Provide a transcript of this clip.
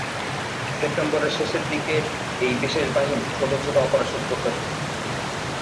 সেপ্টেম্বরের শেষের দিকে এ-ই বিশেষ বাহিনী ছোট ছোট অপারেশন করতে থাকে।